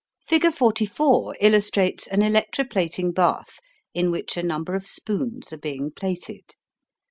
Figure 44 illustrates an electro plating bath in which a number of spoons are being plated.